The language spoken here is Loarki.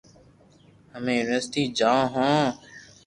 ھمي يونيورسٽي جاو ھون